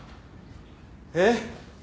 えっ。